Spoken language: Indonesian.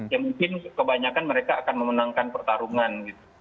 ya mungkin kebanyakan mereka akan memenangkan pertarungan gitu